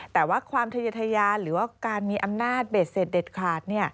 แต่ว่าความทะเยทะยานหรือว่าการมีอำนาจเบ็ดเสร็จเด็ดขาด